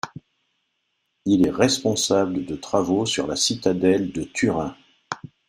Il est responsable de travaux sur la citadelle de Turin.